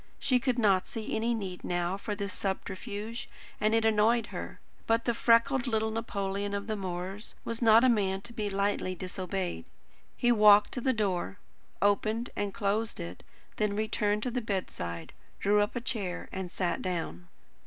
She could not see any need now for this subterfuge, and it annoyed her. But the freckled little Napoleon of the moors was not a man to be lightly disobeyed. He walked to the door, opened and closed it; then returned to the bedside, drew up a chair, and sat down.